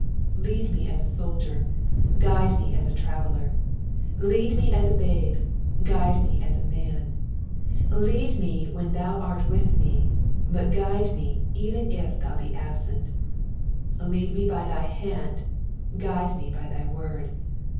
Lead me as a soldier, guide me as a traveller I lead me as a babe, guide ms as a man ; lead me when thou art with ne, but guide me even if thou be absent : lead me by thy hand, guide me by thy word.